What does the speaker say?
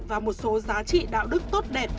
và một số giá trị đạo đức tốt đẹp